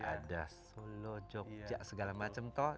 ada solo jogja segala macam toh